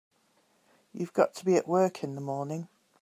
You've got to be at work in the morning.